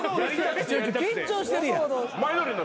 緊張してるやん。